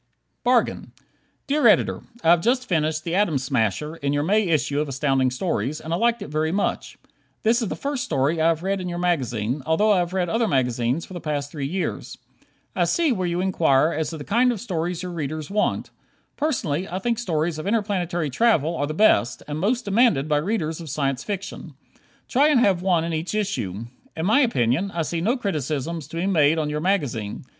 "Bargain" Dear Editor: I have just finished "The Atom Smasher," in your May issue of Astounding Stories, and liked it very much. This is the first story that I have read in your magazine, although I have read other magazines for the past three years. I see where you inquire as to the kind of stories your readers want. Personally, I think stories of interplanetary travel are the best, and most demanded by readers of Science Fiction. Try and have one in each issue. In my opinion, I see no criticisms to be made on your magazine.